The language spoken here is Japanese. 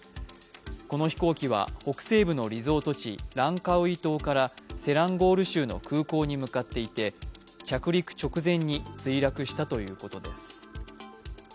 この飛行機は北西部のリゾート地ランカウイ島からセランゴール州の空港に向かっていて着陸直前に墜落したということです。